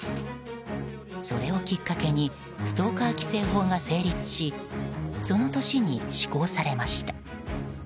それをきっかけにストーカー規制法が成立しその年に施行されました。